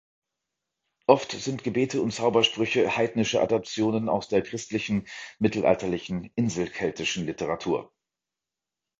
Oft sind Gebete und Zaubersprüche heidnische Adaptionen aus der christlichen, mittelalterlichen inselkeltischen Literatur.